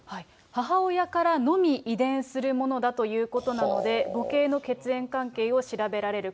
母親からのみ遺伝するものだということなので、母系の血縁関係を調べられる。